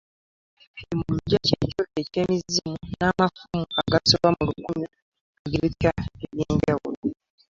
Ebirala ebiri mu luggya kye kyoto ky’emizimu n'amafumu agasoba mu lukumi ag’ebika eby’enjawulo.